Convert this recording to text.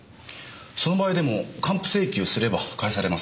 その場合でも還付請求すれば返されます。